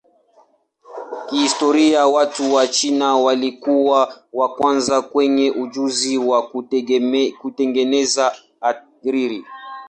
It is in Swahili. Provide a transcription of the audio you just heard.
Kihistoria watu wa China walikuwa wa kwanza wenye ujuzi wa kutengeneza hariri.